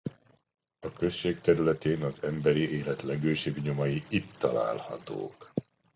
A község területén az emberi élet legősibb nyomai itt találhatók.